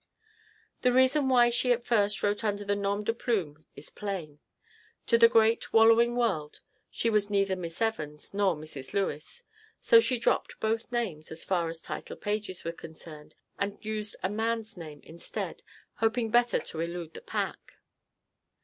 The reason why she at first wrote under a nom de plume is plain. To the great, wallowing world she was neither Miss Evans nor Mrs. Lewes, so she dropped both names as far as title pages were concerned and used a man's name instead hoping better to elude the pack.